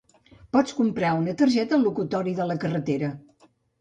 Pots comprar una targeta al locutori de la carretera